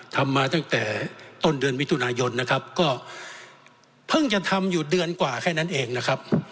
ทำมาตั้งแต่ต้นเดือนมิถุนายนนะครับก็เพิ่งจะทำอยู่เดือนกว่าแค่นั้นเองนะครับ